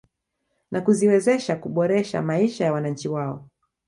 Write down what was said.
Na kuziwezeha kuboresha maisha ya wananchi wao